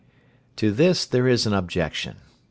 To this there is an objection.